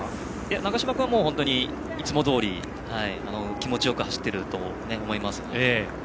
長嶋君はいつもどおり気持ちよく走っていると思います。